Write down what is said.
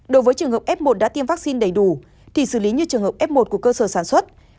đối với trường hợp f một đã tiêm vaccine đầy đủ thì xử lý như trường hợp f một của cơ sở sản xuất